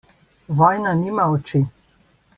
Vojna nima oči.